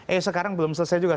eh sekarang belum selesai juga